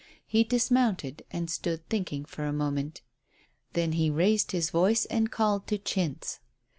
He dismounted and stood thinking for a moment. Then he raised his voice and called to Chintz.